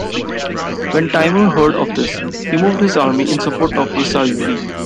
When Timur heard of this, he moved his army in support of the Yasa'uri.